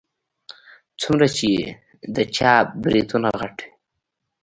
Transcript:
څومره چې د چا برېتونه غټ وي.